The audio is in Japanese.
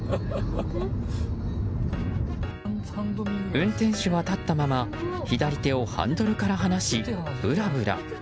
運転手は立ったまま左手をハンドルから離しぶらぶら。